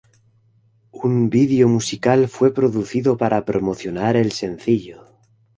Un vídeo musical fue producido para promocionar el sencillo.